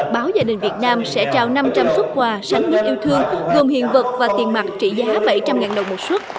báo gia đình việt nam sẽ trao năm trăm linh xuất quà sáng nhất yêu thương gồm hiện vật và tiền mặt trị giá bảy trăm linh đồng một xuất